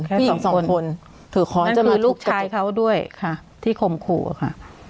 แค่สองคนถือค้อนจะมาทุกประจงนั่นคือลูกชายเขาด้วยค่ะที่คมครูอะค่ะ